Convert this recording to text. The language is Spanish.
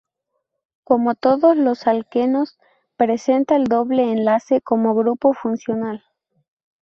Como todos los alquenos presenta el doble enlace como grupo funcional.